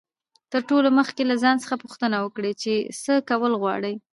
تر ټولو مخکي له ځان څخه پوښتنه وکړئ، چي څه کول غواړئ.